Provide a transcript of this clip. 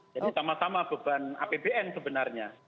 jadi sama sama beban apbn sebenarnya